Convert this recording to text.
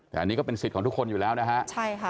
แต่อันนี้ก็เป็นสิทธิ์ของทุกคนอยู่แล้วนะฮะใช่ค่ะ